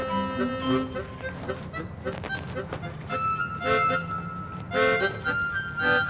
assalamualaikum warahmatullahi wabarakatuh